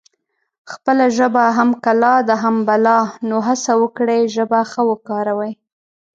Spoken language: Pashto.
خپله ژبه هم کلا ده هم بلا نو هسه وکړی ژبه ښه وکاروي